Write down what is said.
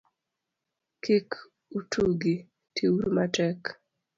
Kik utugi, ti uru matek.